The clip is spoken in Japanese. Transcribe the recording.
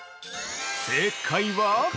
◆正解は。